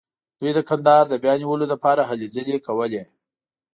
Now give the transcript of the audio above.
دوی د کندهار د بیا نیولو لپاره هلې ځلې کولې.